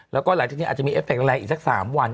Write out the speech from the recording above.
แล้วก็หลายทีนี้อาจจะมีเอฟเฟคต์อะไรอีกสัก๓วัน